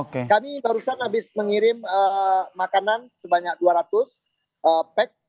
kami barusan habis mengirim makanan sebanyak dua ratus pex